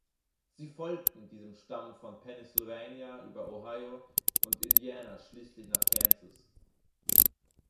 Sie folgten diesem Stamm von Pennsylvania über Ohio und Indiana schließlich nach Kansas.